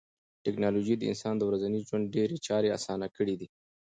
ټکنالوژي د انسان د ورځني ژوند ډېری چارې اسانه کړې دي.